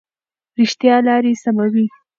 رښتیا لارې سموي.